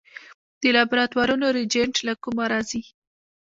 د لابراتوارونو ریجنټ له کومه راځي؟